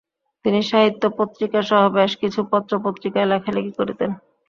তিনি সাহিত্য পত্রিকা সহ বেশ কিছু পত্র-পত্রিকায় লেখালেখি করতেন।